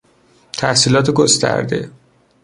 تحصیلات گسترده